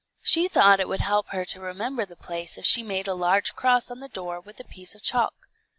She thought it would help her to remember the place if she made a large cross on the door with a piece of chalk.